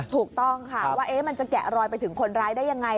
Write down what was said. ถูกต้องค่ะว่ามันจะแกะรอยไปถึงคนร้ายได้ยังไง